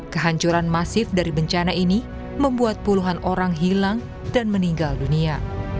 kehancuran masif dari bencana ini membuat puluhan orang hilang dan meninggal dunia